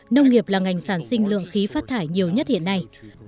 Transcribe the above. nông nghiệp là ngành sản sinh lượng khí phát thải nhiều nhất hiện nay